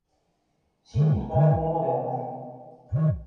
真に働くものではない。